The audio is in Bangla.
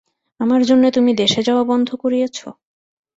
আমার জন্যে তুমি দেশে যাওয়া বন্ধ করিয়াছ?